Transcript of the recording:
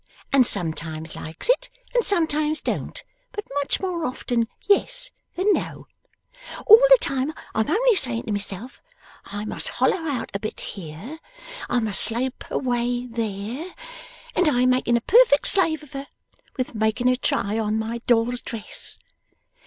and sometimes likes it and sometimes don't, but much more often yes than no. All the time I am only saying to myself, "I must hollow out a bit here; I must slope away there;" and I am making a perfect slave of her, with making her try on my doll's dress.